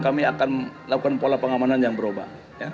kami akan melakukan pola pengamanan yang berubah